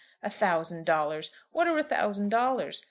A thousand dollars! What are a thousand dollars?